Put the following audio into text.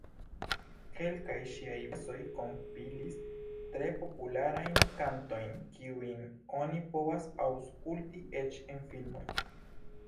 Kelkaj ŝiaj versoj kompilis tre popularajn kantojn, kiujn oni povas aŭskulti eĉ en filmoj.